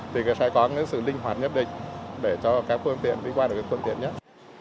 thì sẽ có cái sự linh hoạt nhất định để cho các khuôn tiện đi qua được cái thuần tiện nhất